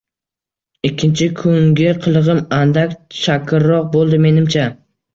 Ikkinchi kungi qilig‘im andak chakkiroq bo‘ldi, menimcha